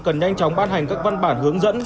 cần nhanh chóng ban hành các văn bản hướng dẫn